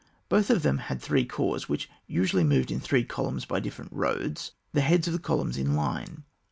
Both of thorn had three corps, which usually moved in three columns by different roads, the heads of the columns in line.